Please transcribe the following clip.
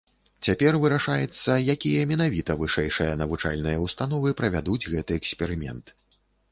Цяпер вырашаецца, якія менавіта вышэйшыя навучальныя ўстановы правядуць гэты эксперымент.